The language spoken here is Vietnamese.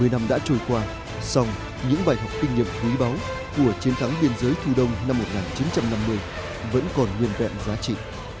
bảy mươi năm đã trôi qua song những bài học kinh nghiệm quý báu của chiến thắng biên giới thu đông năm một nghìn chín trăm năm mươi vẫn còn nguyên vẹn giá trị